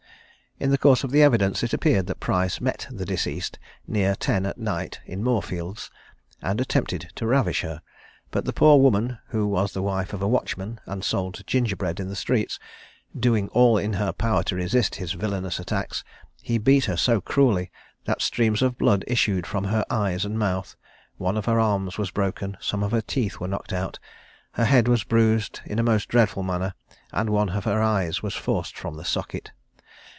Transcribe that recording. In the course of the evidence it appeared that Price met the deceased near ten at night in Moorfields, and attempted to ravish her; but the poor woman (who was the wife of a watchman, and sold gingerbread in the streets) doing all in her power to resist his villanous attacks, he beat her so cruelly that streams of blood issued from her eyes and mouth, one of her arms was broken, some of her teeth were knocked out, her head was bruised in a most dreadful manner, and one of her eyes was forced from the socket.